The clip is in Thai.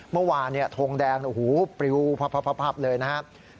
เมื่อวานทงแดงปริวพับเลยนะครับ